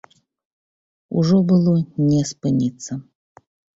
Ужо было не спыніцца.